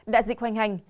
đại dịch hoành hành